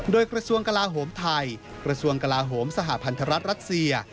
โดยกระทรวงกลาโหมไทยกระทรวงกลาโหมสหพันธรัฐรัสเซีย